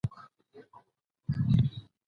ډیپلوماسي د تفاهم ژبه ده.